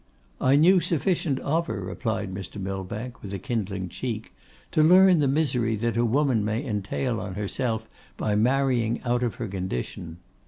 'I knew sufficient of her,' replied Mr. Millbank, with a kindling cheek, 'to learn the misery that a woman may entail on herself by marrying out of her condition.